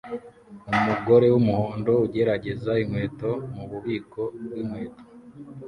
Umugore wumuhondo ugerageza inkweto mububiko bwinkweto